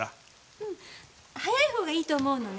うん早いほうがいいと思うのね。